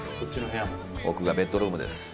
奥がベッドルームです。